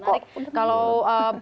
kalau memberikan apa ya